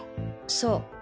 そう。